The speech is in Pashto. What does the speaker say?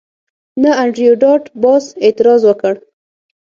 نه انډریو ډاټ باس اعتراض وکړ